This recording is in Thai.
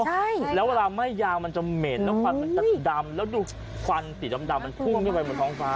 ใช่แล้วเวลาไหม้ยาวมันจะเหม็นแล้วควันมันจะดำแล้วดูควันสีดำมันพุ่งขึ้นไปบนท้องฟ้า